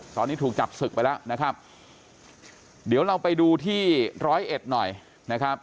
ตอนนี้ถูกจับศึกไปแล้วนะครับเดี๋ยวเราไปดูที่ร้อยเอ็ดหน่อยนะครับ